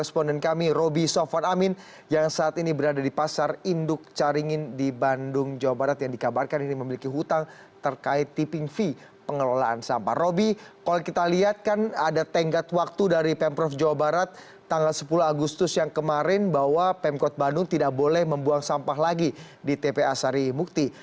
pemerintah provinsi jawa barat menegaskan hutang pemkot bandung tidak boleh membuang sampah lagi di tpa sari bukti